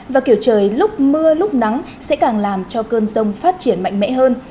và kiểu trời lúc mưa lúc nắng sẽ càng làm cho cơn rông phát triển mạnh mẽ hơn